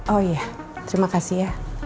oh iya terima kasih ya